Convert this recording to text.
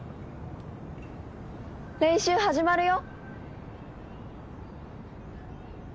練習始まるよ。